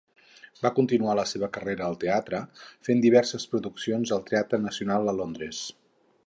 Va continuar la seva carrera al teatre, fent diverses produccions al Teatre Nacional a Londres.